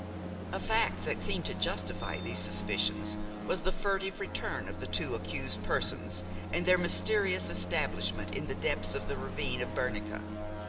A fact that seemed to justify these suspicions was the furtive return of the two accused persons and their mysterious establishment in the depths of the ravine of Bernica.